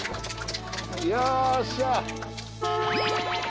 よっしゃ。